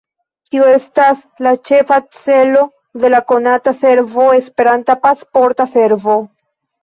Tio estas la ĉefa celo de la konata servo esperanta Pasporta Servo.